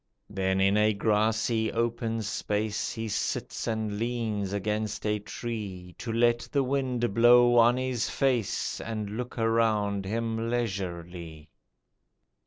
Then in a grassy open space He sits and leans against a tree, To let the wind blow on his face And look around him leisurely.